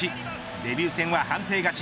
デビュー戦は判定勝ち。